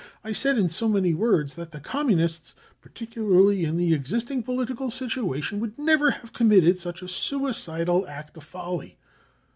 I said in so many # 4 words that the Communists, particularly in the existing political situation, would never have committed such a suicidal act of folly.